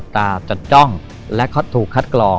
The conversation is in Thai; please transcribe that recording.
กล่องและเขาถูกคัดกรอง